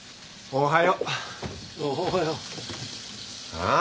おはよう。